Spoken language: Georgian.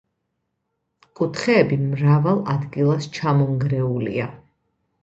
კუთხეები მრავალ ადგილას ჩამონგრეულია.